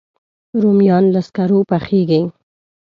رومیان له سکرو پخېږي